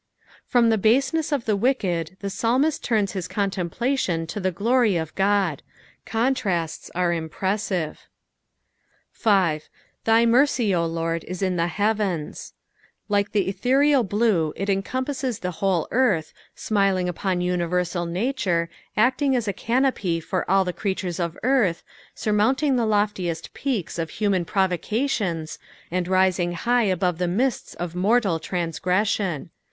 Prom the baaeneaa of the wicked tbe psalmist turns his contemplation to tha glory of Qod. Contniats are impressive. S. " Thy tnerey, O Lord, u in tlie heavait." Like the ethereal blue, it encom passes the whole earth, amiling upon universal nature, acting as a canopj for all the creatures of earth, surmouating tbe loftiest peaks of human provocations, and rising high above the miata of mortal tranagreasion.